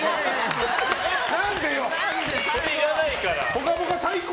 ぽかぽか最高！